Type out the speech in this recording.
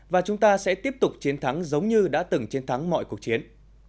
và chúng ta sẽ tiếp tục chiến thắng giống như đã từng chiến thắng mọi cuộc chiến